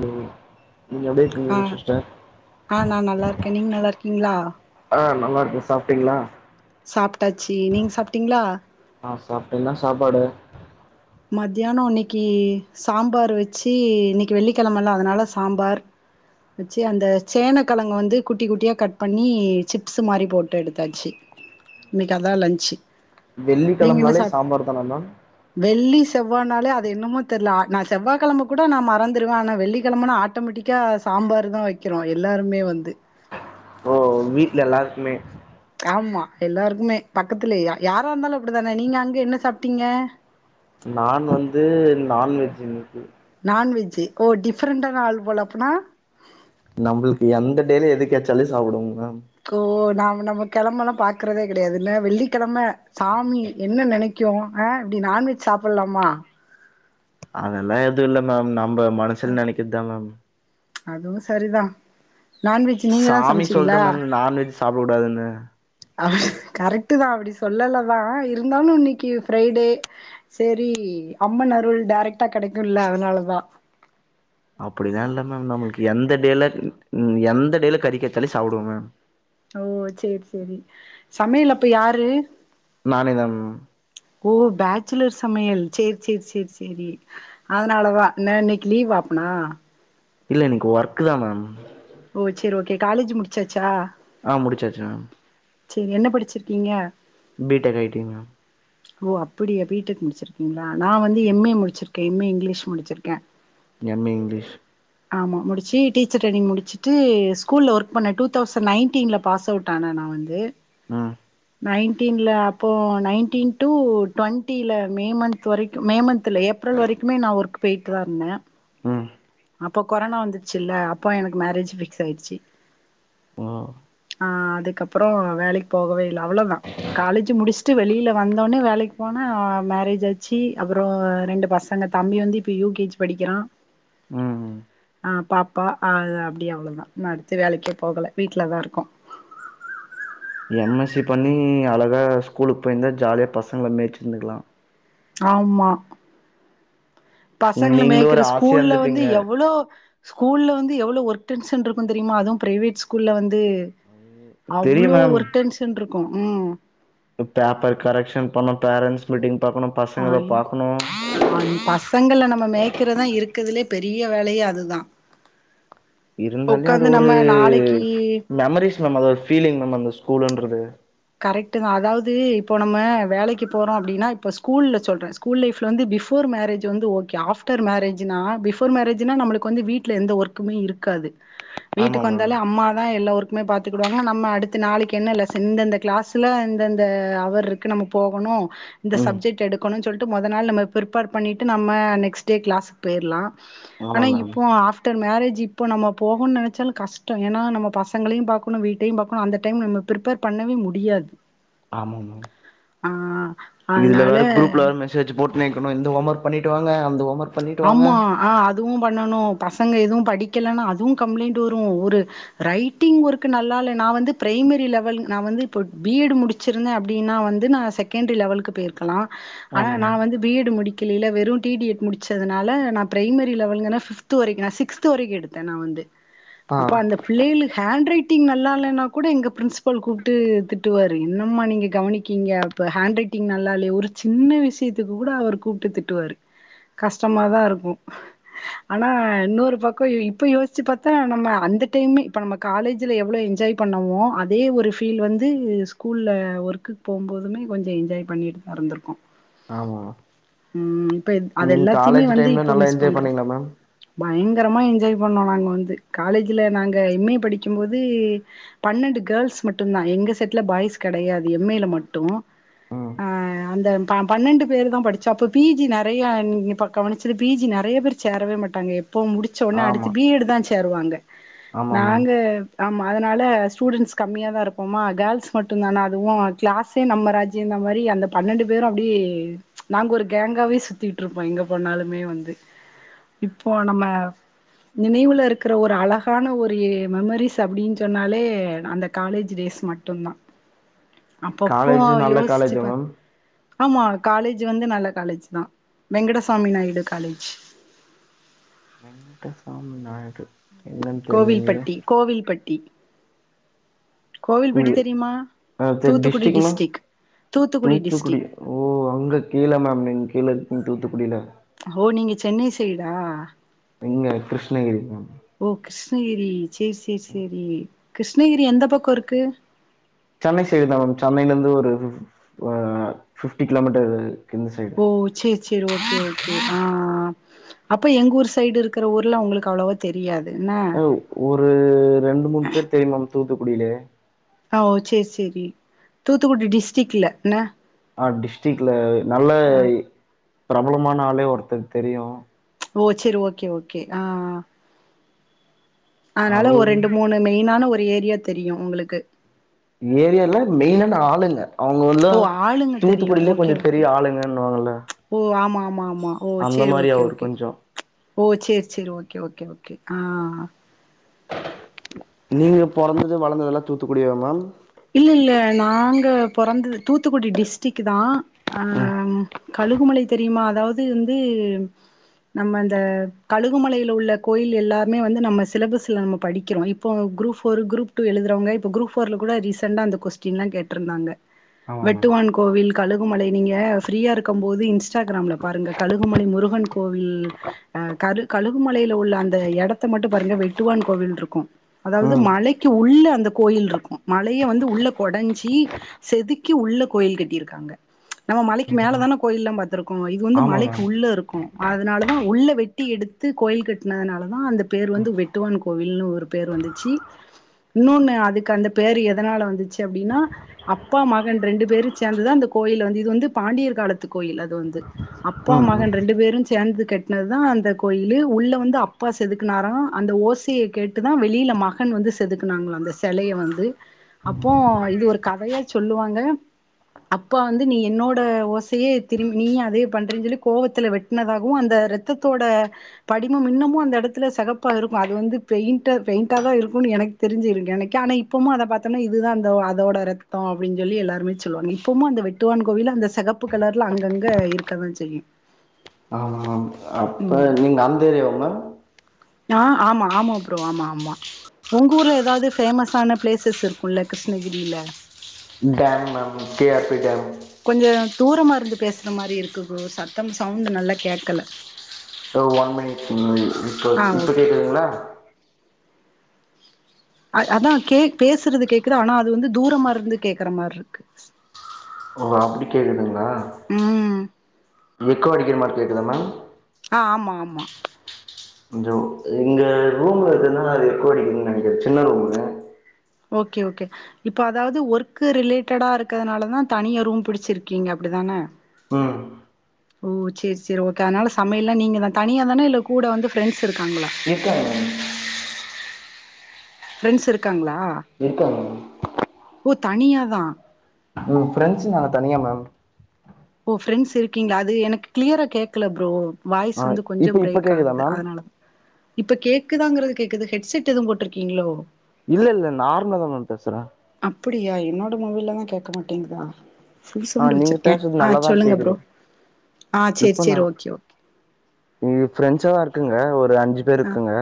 ம் நீங்க எப்டி ஆ இருக்கீங்க சிஸ்டர் ஆ நா நல்லாருக்கேன் நீங் நல்லாருக்கீங்ளா நல்லாருக்கேன் சாப்டீங்ளா சாப்டாச்சு நீங்க சாப்டீங்ளா ஆ சாப்ட்டே என்ன சாப்பாடு மத்தியானோ இன்னக்கி சாம்பார் வச்சி இன்னக்கி வெள்ளிக்கெழமல்ல அதுனால சாம்பார் வச்சு அந்த சேனக்கெழங்க வந்து குட்டி குட்டியா கட் பண்ணி சிப்ஸ் மாரி போட்டு எடுத்தாச்சு இன்னக்கி அதான் லன்ஞ்சு வெள்ளிக்கெழம நாளே சாம்பார் தான மேம் வெள்ளி செவ்வானாலே அது என்னமோ தெரியல அ நா செவ்வா கெழம கூட நா மறந்துருவேன் ஆனா வெள்ளிக்கெழமனா ஆட்டோமெட்டிக்கா சாம்பார் தான் வக்கிறோம் எல்லாருமே வந்து ஓ வீட்ல எல்லார்குமே ஆமா எல்லாருக்குமே பக்கத்துலயே யாரா இருந்தாலும் அப்டித்தான நீங்க அங்க என்ன சாப்டீங்க நான் வந்து நான்வெஜ் இன்னகி நான்வெஜ் ஓ டிஃப்ரண்டான ஆள் போல அப்பன்னா நம்முளுக்கு எந்த டேல எது கெச்சாலு சாப்டுவோம் மேம் கோ நா இப்ப நம்ம கெழமல்லா பாக்குறதே கெடயாதுல்ல வெள்ளிக்கெழம சாமி என்ன நெனக்கு ஆ இப்டி நான்வெஜ் சாப்பிட்லாமா அதெல்லா எதுவு இல்ல மேம் நா நம்ப மனசுல நெனக்குறதுதா மேம் அதுவு சரிதா நான்வெஜ் நீங்க தா சாமி சமச்சீங்ளா சொல்டு மேம் நான்வெஜ் சாப்ட கூடாதுன்னு ஆ கரெக்ட் வந்து நா அப்டி சொல்லலதா இருந்தாலு இன்னைக்கு ஃப்ரைடே சரி அம்மனருள் டைரக்ட்டா கெடைக்குல்ல அதனாலதா அப்டிலா இல்ல மேம் நம்மளுக்கு எந்த டேல எந்த டேல கறி கெச்சாலே சாபுடுவோ மேம் ஓ சேரி சேரி சமயல் அப்ப யாரு நானே தா மேம் ஓ பேச்சுலர்ஸ் சமையல் செர் செர் செர் செரி அதனாலதா ந இன்னிக்கு லீவா அப்பனா இல்ல இன்னைக்கு ஒர்க்குதா மேம் ஓ சேரி ஓகே காலேஜ் முடுச்சாச்சா ஆ முடிச்சாச்சு மேம் சேரி என்ன படிச்சுருக்கீங்க B tech I T ma'am ஓ அப்புடியா பி டெக் முடுச்சுருக்கீங்ளா நா வந்து எம் ஏ முடுச்சுருக்கே எம் ஏ இங்லிஷ் முடுச்சுருக்கே எம் ஏ இங்லீஷ் ஆமா முடிச்சி டீச்சர் ட்ரைனிங் முடுச்சுட்டு ஸ்கூல்ல ஒர்க் பண்ணே ட்டு தௌசண்ட் நைன்டீன்ல பாஸ் அவுட் ஆனே நா வந்து ம் நைன்டீன்ல அப்போ நைன்டீன் டூ ட்டொண்டில மே மந்த் வரைக்கு மே மந்த் இல்ல ஏப்ரல் வரைக்குமே நா ஒர்க் போய்ட்டு தா இருந்தே ம் அப்போ கொரோனா வந்துச்சில்ல அப்போ எனக்கு மேரேஜ் ஃபிக்ஸ் ஆயிடுச்சு ம் ஆ அதுக்கப்புறோ வேலைக்கு போகவே இல்ல அவ்ளோதா காலேஜ் முடிச்சுட்டு வெளியில வந்தோன்னே வேலைக்கு போனே மேரேஜ் ஆச்சி அப்புறோ ரெண்டு பசங்க தம்பி வந்து இப்ப யூ கே ஜி படிக்குறா ம் ஆ பாப்பா ஆ அது அப்டியே அவ்ளோதா அடுத்து வேலைக்கே போகல வீட்லதா இருக்கோ எம் எஸ் பண்ணி அழகா ஸ்கூலுக்கு போயிருந்தா ஜாலியா பசங்கள மேய்சுருந்துருக்ளா ஆமா பசங்கள நீங்களு மேய்குற ஒரு ஆசையா ஸ்கூல்ல வந்து இருந்துப்பீங்க எவ்வளோ ஸ்கூல்ல வந்து எவ்ளோ ஒர்க் டென்சன் இருக்கு தெரியுமா அதுவு பிரைவேட் ஸ்கூல்ல வந்து இது தெரியு அவ்ளோ மேம் ஒர்க் டென்ஷன் இருக்கு உம் பேப்பர் கரெக்க்ஷன் பண்ண பேரண்ட்ஸ் மீட்டிங் பாக்கணு பசங்கள ஆய் பாக்கணு அ பசங்கள நம்ம மேய்கிறதா இருக்கதிலியே பெரிய வேலயே அதுதா இருந்தாலே அது உக்காந்து ஒரு நம்ம நாளைக்கு மெம்மரிஸ் மேம் அது ஒரு ஃபீலிங் மேம் அந்த ஸ்கூல்ன்றது கரெக்டுதா அதாவது இப்போ நம்ம வேலைக்கு போறோ அப்பிடின்னா இப்போ ஸ்கூல சொல்றே ஸ்கூல் லைஃப்பில வந்து பிஃபோர் மேரேஜ் வந்து ஓகே ஆஃப்டர் மேரேஜ்னா பிஃபோர் மேரேஜ்னா நம்மளுக்கு வந்து வீட்ல எந்த ஒர்க்குமே இருக்காது ஆமா வீட்டுக்கு மேம் வந்தாலே அம்மாதா எல்லா ஒர்க் மே பாத்துக்குடுவாங்க நம்ம அடுத்து நாளைக்கு என்ன லேசன் இந்த இந்த கிளஸ்ல இந்த இந்த அவர் இருக்கு நம்ம போகணு இந்த ம் சப்ஜெக்ட் எடுக்கணு சொல் ட்டு முதநாள் நம்ம பிரிப்பர் பண்ணிட்டு நம்ம நெக்ஸ்ட் டேய் கிளாஸ்க்கு போயிர்லா ஆமா ஆனா மேம் இப்போ ஆஃப் ட்டர் மேரேஜ் இப்போ நம்ம போகனு நெனச்சாலு கஷ்டோ ஏன்னா நம்ம பசங்களையு பாக்கணு வீட்டையு பாக்கணு அந்த டைம் பிரிப்பர் பண்ணவே மு டியாது ஆமா ஆமா அதனால இதுலவேற குரூப்ல வேர மெசேஜ் போட் நெக்கணு இந்த ஹோமர்க் பண்ணிட்டு வாங்க அந்த ஒமர்க் ஆமா ஆ அதுவு பண்ணணு பசங்க எதுவு படி க்கிலனா அதுவு கம்பளைண்ட் வரு ஒரு ரைட்டிங் ஒர்க்கு நல்லால்ல நா வந்து ப்ரைம்மரி லெவல் நா வந்து இப்போ பிஎடு முடிச்சிருந்தே அப்பிடின்னா வந்து நா செகண்டு லெவல்க்கு போயிருக்கலா ஆனா ஆமா நா மேம் வந்து பிஎடு முடிக் கிலியில வெறு டிடிஎட் முடி ச்சதுனால நா பிரைம்மரி லெவல்ங்க நா ஃப்த்து வரைக்கு நா சிக்ஸ்து வரைக்கு எடுத்தே நா வந்து ஆ அப்பா அந்த பிள்ளைலுக் ஹேண்ட் ரைட் ட்டிங் நல்லா இல்லனா கூட எங்க பிரின்சிபல் கூப்புட்டு திட்டுவாரு இன்னம்மா நீங்க கவனிக்கிங்க இப்ப ஹேண் ரைட்டிங் நல்லா இல்லியே ஒரு சின்ன விஷ்யத்துக்கு கூட அவர் கூப்பிட்டு திட்டுவாரு கஷ்டமாதா இருக்கு ஆனா இன்னொரு பக்கோ இப்ப யோசிச்சி பாத்தா நம்ம அந்த டைமே இப்ப நம்ம காலேஜ்ல எவ்ளோ என்ஜாய் பண்ணவோ அதே ஒரு ஃபீல் வந்து ஸ்கூல்ல ஒர்க்கு போகுபோதுமே கொஞ்சோ என்ஜாய் பண்ணிட்டுதா இருந்திருக்கோ ஆமா ம் அது நீங்க எல்லாத்தியுமே காலேஜ் வந்து டைம்ல இப்போ நல்லா மிஸ் என்ஜாய் பண்றோ பண்ணீங்களா மேம் பயங்கரமா என்ஜாய் பண்ணோ நாங்க வந்து காலேஜ்ல நாங்க எம்ஏ படிக்கு போது பன்னெண்டு கேள்ஸ் மட்டுதா எங்க செட்ல பாய்ஸ் கெடையாது எம்ஏல மட்டு ம் ஆ அந்த ப பன்னெண்டு பேருதா படிச்சோ அப்ப பிஜி நெறையா நீங்க இப்ப கவனிச்சிது பிஜி நெறைய பேர் சேரவேமாட்டாங்க எப் இப்போ முடிச்ச ஒன்னே அடுத்து ஆமா பீஎடுதாச் டேருவாங்க ஆமா மேம் நாங்க ஆமா அதனால ஸ்டூடெண்ஸ் கம்மியாதா இருப்போமா கேள்ஸ் மட்டு தான அதுவு கிளாஸே நம்ம ராஜ்யத்தமாரி அந்த பன்னெண்டு பேரு அப்பிடியே நாங்க ஒரு கேங்காகவே சுத்தி ட்ருப்போ எங்க போனாலுமே வந்து இப்போ நம்ம நினைவுல இருக்கிற ஒரு அழகான ஒரு மெமரிஸ் அப்பிடின்னு சொன்னாலே அந்த காலேஜ் டேஸ் மட்டுத்தா காலேஜூ நல்ல காலேஜா மேம் ஆமா காலேஜ் வந்து நல்ல காலேஜ்தா வெங்கடசுவாமி நாயுடு காலேஜ் வெங்கடசாமி நாயுடு என்னன்னு தெர்லீங்களே கோவில்பட்டி கோவில்பட்டி ஓ கோவில்பட்டி தெரியுமா அ த தூத்துக்குடி டிஸ்டிக்னா டிஸ்டிக் தூத்துக்குடி ஓ அங்க கீழே மேம்ங்க கீழ கு தூத்துக்குடியில ஓ நீங்க சென்னை சைடா இங்க கிருஷ்ணகிரி மேம் ஓ கிருஷ்ணகிரி செரி செரி செரி கிருஷ்ணகிரி எந்த பக்கோ இருக்கு சென்னை சைடு தா மேம் சென்னையிலந்து ஒரு ஃபிஃப்டி கிலோமீட்டரு ஓ சரி சரி ஓகே ஓகே ஆ அப்ப எங்க ஊர் சைடு இருக்கிற ஊர்ல உங்களுக்கு அவ்வளவோ தெரியாது என்ன அ ஒரு ரெண்டு மூணு பேர் தெரியம் மேம் தூத்துக்குடியிலே ஓ சரி சரி தூத்துக்குடி டிஸ்ரிக்ல என்ன ஆ டிஸ்டிகில நல்ல ஆ பிரபலமானாலே ஒருத்தர் தெரியு ஓ சரி ஓகே ஓகே ஆ அதனால அவரு ஒரு ரெண்டு மூணு மெயினான ஒரு இந்த ஏரியா தெரியு உங்களுக்கு ஏரியால மெயினான ஆளுங்க அவங்க வல்லா ஓ ஆளுங்க தெரியு தூத்துக்குடியிலயே ஓகே கொஞ்ச ஓகே பெரிய ஆளுங்கன்னுவாங்கல்ல ஓ ஆமா ஆமா மா ஓ அந்த சரி மாரி ஓகே அவரு ஓகே கொஞ்சோ ஓ சரி சரி ஓகே ஓகே ஓகே ஆ நீங்க பொறந்தது வளர்ந்ததெல்லா தூத்துக்குடியா மேம் இல்ல இல்ல நாங்க பொறந்தது தூத்துக்குடி டிஸ்ரிக் தா ஆ ம் கழுகுமலை தெரியுமா அதாவது வந்து நம்ம அந்த கழுகுமலையில உள்ள கோயில் எல்லாமே வந்து நம்ம சிலபஸ்ல நம்ம படிக்கிறோ இப்போ குரூப் ஃபோர் குரூப் டூ எழுதுறவங்க இப்ப குரூப் ஃபோர்ல கூட ரீசெண் டா அந்த கொஸ்டின்லா கேட்ருந்தாங்க ஆமா மேம் வெட்டுவான் கோவில் கழுகுமலை நீங்க ஃப்ரீயா இருக்கு போது இன்ஸ்டாகிரம்ல பாருங்க கழுகுமலை முருகன் கோயில் அ கழுகுமலைல உள்ள அந்த எடத்த மட்டு பாருங்க வெட்டுவான் கோவில் இருக்கு அதாவது ம் மலைக்கு உள்ள அந்த கோயில் இருக்கு ம மலைய வந்து உள்ள கொடைஞ்சி செதுக்கி உள்ள கோயில் கட்டிருக்காங்க நம்ம மலைக்கு மேல தான கோயில்லா பாத்து த்துருக்கோ இது வந்து ஆமா மலைக்கு மேம் உள்ள இருக்கு அதனாலதா உள்ள வெட்டி எடுத்து கோயில் கட்னதுனால தா அந்த பேர் வந்து வெட்டுவான் கோவில்னு ஒரு பேர் வந்துச்சு இன்னொன்னு அதுக்கு அந்த பேர் எத அதனால வந்துச்சு அப்படின்னா அப்பா மகன் ரெண்டு பேரு சேர்ந்துதா அந்த கோயில வந்து இது வந்து பாண்டியர் காலத்து கோயில் அது வந்து அப்பா ம் ம் மகன் ரெண்டு பேரு சேர்ந்தது கெட்டினது தா அந்த கோயிலு உள்ள வந்து அப்பா செதுக்குனாரா அந்த ஓசைய கேட்டுதா வெளியில மகன் வந்து செதுக்குனாங்களா அந்த செலைய வந்து அப்போ இது ஒரு கதையா சொல்லுவாங்க அப்பா வந்து நீ என்னோட ஓசையே திரும்பி நீயு அதே பண்றீன்னு சொல்லி கோவத்துல வெட்டினதாகவு அந்த ரத்தத்தோட படிமு இன்னுமு அந்த எடத்துல செகப்பா இருக்கு அது வந்து பெயிண்ட் பெயிண்டா தா இருக்கும்னு எனக்கு தெரிஞ்சுருக்கு எனக்கு ஆனா இப்பமு அத பாத்தோன்னா இதுதா அந்த அதோட ரத்தோ அப்டின் சொல்லி எல்லாருமே சொல்லுவாங்க இப்பமு அந்த வெட்டுவான் கோவில்ல அந்த செகப்பு கலர்ல அங்கங்க இருக்கதா செய்யு ஆமா மேம் ம் நீங்க நடந்து வரியம்மன் நா ஆமா ஆமா ப்ரோ ஆமா ஆமா உங்க ஊர்ல எதாவது ஃபேமஸ்ஸான பிளேஸ் பிளேசஸ் இருக்குள்ள கிருஷ்ணகிரியில dam ma'am K R P dam கொஞ்ச தூரமா இருந்து பேசுற மாரி இருக்கு ஃப்ரோ சத்தம் சவுண்டு நல்லா கேக்கல தோ ஒன் மினிட் இப்ப ஆ இப்ப ஓகே கேக்குதுங்களா அத் அதா கே பேசுறது கேக்குது ஆனா அது வந்து தூரமா இருந்து கேக்குற மார் இருக்கு ஓ அப்டி கேக்குதுங்களா ம் எக்கோ அடிக்குற மாரி கேக்குதா மேம் ஆ ஆமா ஆமா கொஞ்சோ இங்க ரூம்ல இருக்குறது நாள எக்கோ அடிக்குதுன் நெனைக்குற சின்ன ரூமுங்க ஓகே ஓகே இப்ப அதாவது ஒர்க்கு ரிலேட்டடா இருக்குறதுனாலதா தனியா ரூம் புடிச்சிருக்கீங்க அப்டிதான ம் ஓ சேர் சேர் ஓகே அதனால சமையல்லா நீங்கதா தனியா தானா இல்ல கூட வந்து ஃப்ரெண்ட்ஸ் இருக்காங்களா இருக்காங்க மேம் ஃப்ரெண்ஸ் இருக்காங்களா இருக்காங்க மேம் ஓ தனியாதா மூணு ஃப்ரெண்ட்ஸ்ஸு நாங்க தனியா மேம் ஓ ஃப்ரெண்ட்ஸ் இருக்கீங்களா அது எனக்கு கிளியரா கேக்கல ஃப்ரோ வாய்ஸ் ஆ வந்து கொஞ்சம் இப்ப இப்ப பிரேக் கேக்குதா ஆகுது மேம் அதனாலதா இப்ப கேக் கேக்குதாங்குறது கேக்குது ஹெட்செட் எதும் போட்ருக்கீங்களோ இல்ல இல்ல நார்மலாதா மேம் பேசுற அப்டியா என்னோட மொபைல்லதா கேக்க மாட்டிங்குதா ஃபுல் சவுண்டு வெச்சுருக்கே நல்லதா கேக்குது சேரி இப்ப நா சேரி ஓகே ஓகே இங்க ஃப்ரெண்ட்ஸ் எல்லா இருக்குங்க ஒர் ஒரு அஞ்சு பேர் ஆ இருக்கங்க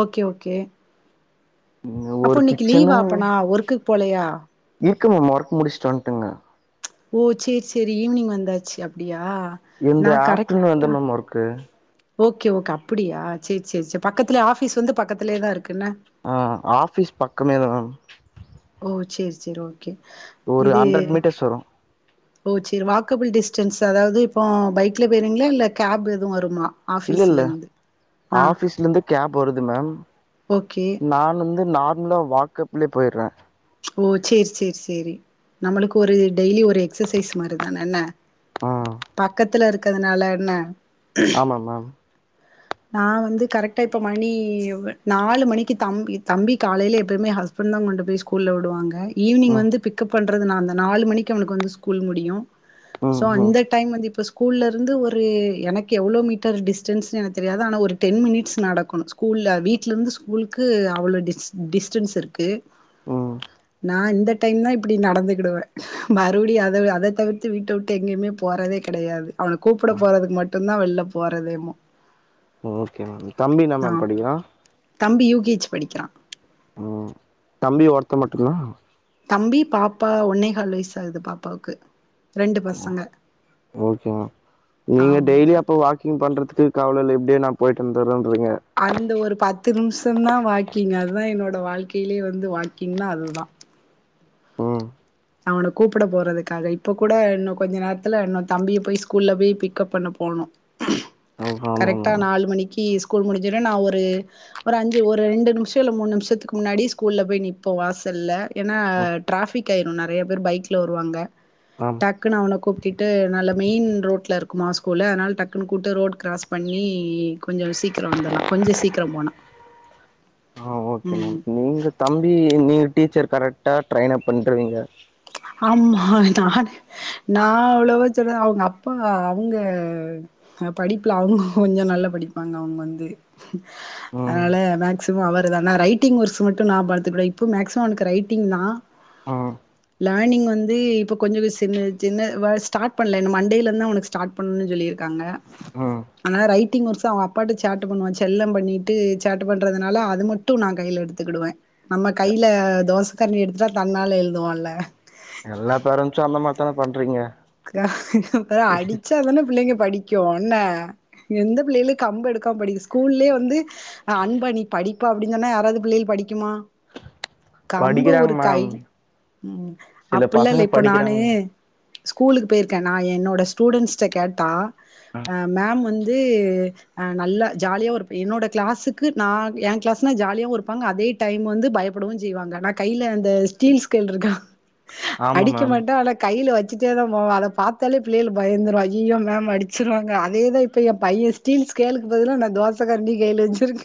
ஓகே ஓகே ம், அப்போ ஒரு இன்னிக்கு கிச்சனு லீவ்வா அப்பனா ஒர்குக் போலயா இருக்கு மேம் ஒர்க் முடுச்சுட்டு வன்ட்டங் மேம் ஓ சேர் சேரி ஈவினிங் வந்தாச்சு அப்டியா இந்த நா ஆப்டர்நூன் மட்டு கரெக்டா தா மேம் ஒர்க்கு ஓகே ஓகே அப்புடியா செரி செரி செரி பக்கத்திலே ஆபீஸ் வந்து பக்கத்திலயே தா இருக்கு ஆ ஆபிஸ் பக்கமே தா மேம் ஓ சேரி சேரி ஓகே ஒரு இது ஹண்ட்ரட் மீட்டர்ஸ் வரு ஓ சேரி வாக்கபிள் டிஸ்டன்ஸ் அதாவது இப்போ பைக்ல போய்ருவீங்ளா இல்ல கேப் எதுவு வருமா இல்ல ஆஃபீஸ்ல இல்ல இருந்து ஆ ஆபிஸ்ல இருந்து கேப் வருது மேம் ஓகே நானும் நார்மலா வாக்அப்லயே போயிர்றே ஓ சேரி சேரி சேரி நம்மளுக்கு ஒரு டெய்லி ஒரு எக்ஸசைஸ் மாதிரி தான என்ன ஆ பக்கத்துல இருக்க இருக்கதுனால என்ன ஆமா மேம் நா வந்து கரெக்டா இப்ப மணி நாலு மணிக்கு தம்பி தம்பி காலேல்ல எப்பயுமே ஹஸ்பண்டு தா கொண்டு போய் ஸ்கூல்ல விடுவாங்க ஈவ்னி்ங் ம் வந்து பிக்கப் பண் பறது நா அந்த நாலு மணிக்கு அவனுக்கு வந்து ஸ்கூல் முடியு ம் சோ ம் அந்த டைம் வந்து இப்ப ஸ்கூல்லருந்து ஒரு எனக்கு எவ்ளோ மீட்டர் டிஸ்டன்ஸ்ன்னு எனக்கு தெரியாது ஆனா ஒரு டென் மினிட்ஸ் நடக்கணு ஸ்கூல்ல வீட்லருந்து ஸ்கூலுக்கு அவ்ளோ டிஸ் டிஸ்டன்ஸ் இருக்கு ம் நா இந்த டைம் தா இப்டி நடந்துக்கிடுவே மறுபடியு அத அத தவிர்த்து வீட்ட விட்டு எங்கேயுமே போறதே கெடயாது அவள கூப்ட ம் போறதுக்கு மட்டுந்தா வெளில போரதேமோ ஓகே மேம் தம்பி என்ன மேம் படிக்குறா தம்பி யூ கே ஜி படிக்கிறா உம் தம்பியோட இப்ப மட்டுன்னா தம்பி பாப்பா ஒன்னே கால் வயசு தா ஆகுது பாப்பாவுக்கு ரெண்டு பசங்க ஓகேமா நீங்க டெய்லி ஆமாப்பா அப்ப வாக்கிங் பண்றதுக்கு ட்ராவல்ல இப்டியே நா போய்ட்டு வந்துறோம் அந்த ஒரு பத்து நிமிஷ தா வாக்கிங் அதுதா என்னோட அந்த வாழ்க்கையிலயே வந்து வாக்கிங்னா அதுதா ம் அவன கூப்ட போறதுக்காக இப்ப கூட இன்னு கொஞ்ச நேரத்ல இன்னொ தம்பிய போய் ஸ்கூல்ல போய் பிக்கப் பண்ண போனு ஆமா கரெக்ட்டா மேம் நாலு மணிக்கு ஸ்கூல் முடிஞ்சோனே நா ஒரு ஒரு அஞ்சு ஒரு ரெண்டு நிமிஷ இல்ல மூனு நிமிஷத்துக்கு முன்னாடி ஸ்கூல்ல போய் நிப்போ வாசல்ல ஏன்னா டிராபிக் ஆயிரு நெறைய பேர் பைக்ல வருவாங்க ஆம் டக்குனு அவன கூப் கூட்டிட்டு நல்ல மெயின் ரோட்ல இருக்குமா ஸ்கூல் அதனால டக்குன்னு கூட்டு ரோட் கிராஸ் பண்ணி கொஞ்சோ சீக்கிரோ வந்துர்லா கொஞ்சோ சீக்கிரோ போனா ம் உங்க தம்பி நீ டீச்சர் கரெக்டா ட்ரைன் அப் பண்ருவீங்க ஆமா நா அவ்ளவா சொல் அவுங்க அப்பா அவுங்க படிப்புல அவுங்க கொஞ்சோ நல்லா படிப்பாங்க அவுங்க வந்து ம் அதனால மேக்சிமம் அவர் தா நா ரைட்டிங் ஒர்ஸ் மட்டு நா பாத்துக்குவ இப்போ மேக்சிமம் அவனுக் ரைட்டிங் தா ம் லேர்னிங் வந்து இப்போ கொஞ்சம் சின்ன சின்ன ஸ்டார்ட் பண்ணல என் மண்டேலருந்தா அவனுக்கு ஸ்டார்ட் பண்ணணுன் சொல்லியிருக்காங்க ம் அதனால ரைட்டிங் ஒர்க்ஸ் அவன் அப்பாட்ட சேட்ட பண்ணுவா செல்லம் பண்ணிட்டு சேட்ட பண்ணுறதுனால அது மட்டு நா கையில எடுத்துக்கிடுவே நம்ம கையில தோச கரண்டி எடுத்துட்டா தன்னால எழுதுவான்ல எல்லா பேரண்ட்ஸும் அந்த மாரி தானே பண்றீங்க அப்ப அடிச்சாதானே பிள்ளைங்க படிக்கு என்ன எந்த பிள்ளைகளு கம்பு எடுக்காம படிக்கு ஸ்கூல்லேயே வந்து அன்பா நீ படிப்பா அப்டின்னு சொன்னா யாராவது பிள்ளைளு படிக்குமா கம்பு படிக்கிறாங்க ஒரு கை மேம் சில அப்பல்லல்ல பசங்க இப்ப நானு படிக்கிறாங்க ஸ்கூலுக்கு போயிருக்கே நா என்னோட ஸ்டூடண்ட்ஸ்ட்ட கேட்டா ஆ மேம் வந் து அ நல்ல ஜாலியாவு இருப்ப என்னோட கிளாஸ்க்கு நா எ கிளாஸ்னா ஜாலியாவு இருப்பாங்க அதே டைம் வந்து பயப்ப ப்படவு செய்வாங்க நா கையில அந்த ஸ்டீல் ஸ்கேல் இருக்கா ஆமா அடிக்க மேம் மாட்டே ஆனா கைல வச் தா போவே அத பாத்தாலே பிள்ளைளு பயந்துரு ஐய்யயோ மேம் அடிச்சிருவாங்க அதேதா இப்ப என் பைய ஸ்டீல் ஸ்கேலுக் பதுலா நா தோச கரண்டி கைல வச்சிருக்கே